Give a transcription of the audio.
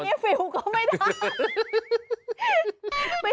อันนี้ฟิลล์ก็ไม่ได้